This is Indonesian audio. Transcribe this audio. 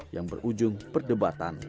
yang berujung perdebatan